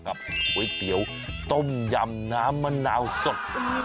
ก๋วยเตี๋ยวต้มยำน้ำมะนาวสด